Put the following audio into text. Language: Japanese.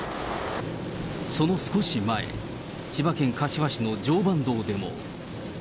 その少し前、千葉県柏市の常磐道でも。